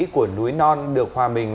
của núi non được hòa mình